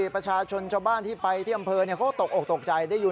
ประชาชนชาวบ้านที่ไปที่อำเภอเขาก็ตกออกตกใจได้อยู่